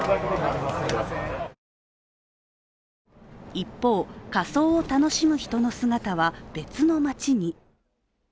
一方、仮装を楽しむ人の姿は別の街に。